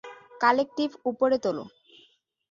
Collective উপরে তোলো।